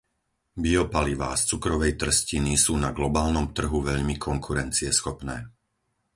Biopalivá z cukrovej trstiny sú na globálnom trhu veľmi konkurencieschopné.